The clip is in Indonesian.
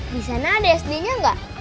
di sana ada sd nya nggak